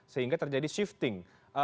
sehingga terjadi shifting